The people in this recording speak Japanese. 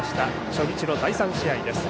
初日の第３試合です。